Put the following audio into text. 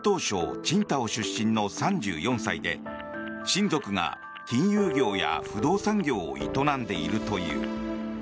青島出身の３４歳で親族が金融業や不動産業を営んでいるという。